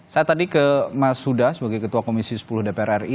saya tadi ke mas huda sebagai ketua komisi sepuluh dpr ri